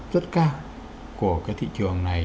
rất cao của cái thị trường này